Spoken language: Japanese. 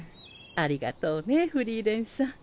ありがとうねフリーレンさん。